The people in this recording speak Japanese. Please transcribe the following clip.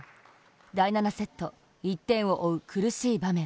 第７セット、１点を追う苦しい場面。